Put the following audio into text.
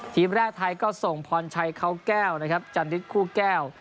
ธูปแรกไทยก็ส่งพรไชเขาแก้วนะครับจัณฑิฐกู้แก้ว